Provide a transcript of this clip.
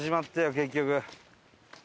結局。